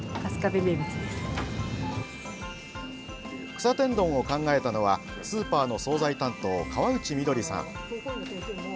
草天丼を考えたのはスーパーの総菜担当河内みどりさん。